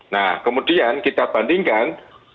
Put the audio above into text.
nah kemudian kita bandingkan